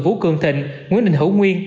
vũ cường thịnh nguyễn đình hữu nguyên